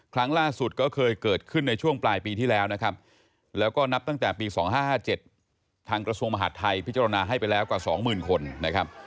ครั้งล่าสุดก็เคยเกิดขึ้นในช่วงปลายปีที่แล้วนะครับแล้วก็นับตั้งแต่ปี๒๕๕๗ทางกระทรวงมหาดไทยพิจารณาให้ไปแล้วกว่า๒๐๐๐คนนะครับ